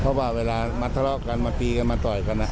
เพราะว่าเวลามาทะเลาะกันมาตีกันมาต่อยกัน